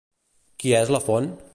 Qui és la font?